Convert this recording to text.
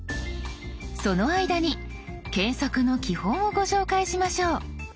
その間に検索の基本をご紹介しましょう。